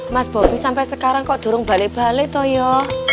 mas bobi sampai sekarang kok durung balik balik toh yuk